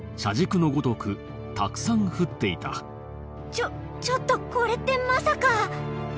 ちょちょっとこれってまさか。